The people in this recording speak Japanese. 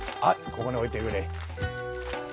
ここに置いてくれ。